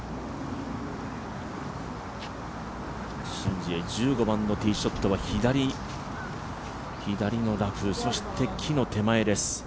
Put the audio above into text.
シン・ジエ１５番のティーショットは左のラフ、そして、木の手前です。